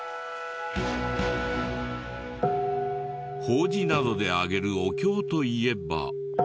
法事などであげるお経といえば。